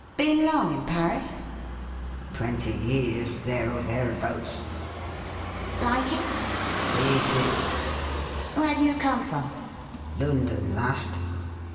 ' Been long in Paris ?'' Twenty years — there or thereabouts.' ' Like it .?'' Hate it.' ' Where do you come from .?'' London last.'